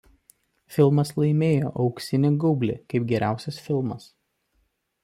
Filmas laimėjo „Auksinį gaublį“ kaip geriausias filmas.